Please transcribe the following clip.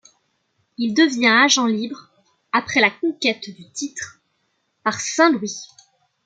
Il devient agent libre après la conquête du titre par Saint-Louis.